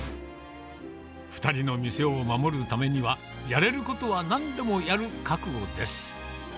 ２人の店を守るためには、やれることはなんでもやる覚悟です。